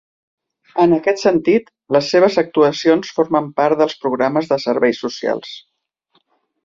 En aquest sentit, les seves actuacions formen part dels programes de serveis socials.